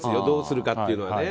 どうするかっていうのは。